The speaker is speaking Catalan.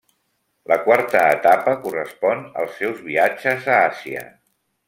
La quarta etapa: correspon als seus viatges a Àsia.